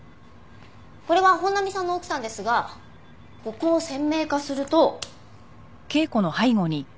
これは本並さんの奥さんですがここを鮮明化すると。